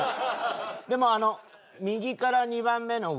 でも右から２番目の上。